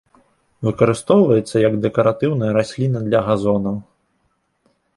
Выкарыстоўваецца як дэкаратыўная расліна для газонаў.